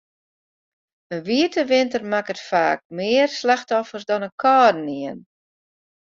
In wiete winter makket faak mear slachtoffers as in kâldenien.